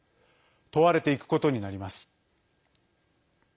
問われていくことになります。